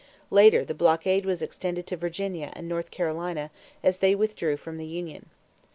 Later the blockade was extended to Virginia and North Carolina, as they withdrew from the union.